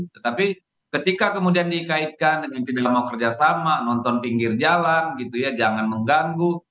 tetapi ketika kemudian dikaitkan dengan tidak mau kerjasama nonton pinggir jalan gitu ya jangan mengganggu